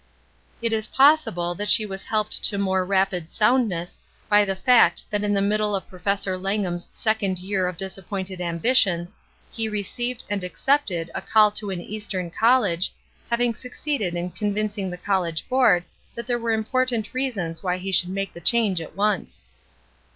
It is probable that she was helped to more rapid soundness by the fact that in the middle of Professor Langham's second year of dis appointed ambitions he received and accepted a call to an Eastern college, having succeeded in convincing the College Board that there were important reasons why he should make the change at once.